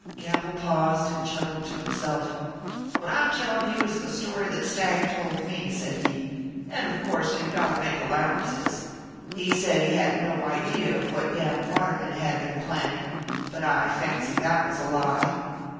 Gamble paused and chuckled to himself. "What I'm telling you is the story that Stagg told me," said he. "And of course you've got to make allowances. He said he had no idea of what Dan Waterman had been planning, but I fancy that was a lie.